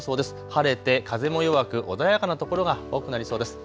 晴れて風も弱く穏やかな所が多くなりそうです。